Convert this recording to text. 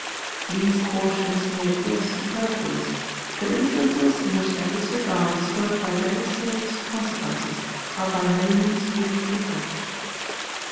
These cautions may appear superfluous, but instances in which their disregard is followed by very serious consequences are by no means infrequent.